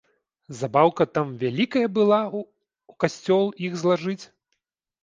Забаўка там вялікая была ў касцёл іх злажыць?!